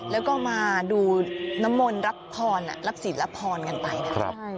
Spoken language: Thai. แล้วก็มาดูน้ำมนตร์รับภรนธ์รับฉีดรับภรรณ์กันไปครับ